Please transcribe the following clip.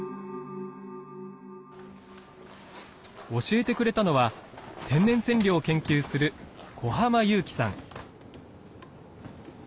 教えてくれたのは天然染料を研究する古濱裕樹さん。